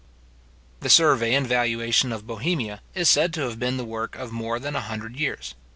The survey and valuation of Bohemia is said to have been the work of more than a hundred years.